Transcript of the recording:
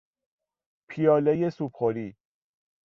پیالهی سوپخوری